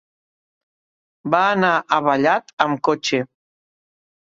Va anar a Vallat amb cotxe.